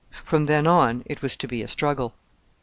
From then on it was to be a struggle.